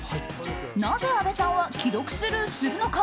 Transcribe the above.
なぜ阿部さんは既読スルーするのか。